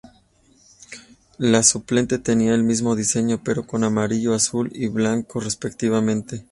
La suplente tenía el mismo diseño, pero con amarillo, azul y blanco, respectivamente.